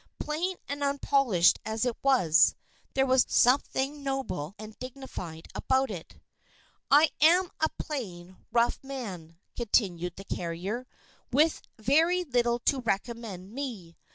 Plain and unpolished as it was, there was something noble and dignified about it. "I am a plain, rough man," continued the carrier, "with very little to recommend me.